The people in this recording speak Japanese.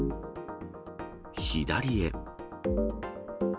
左へ。